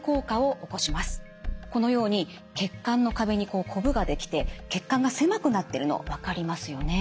このように血管の壁にこぶができて血管が狭くなってるの分かりますよね。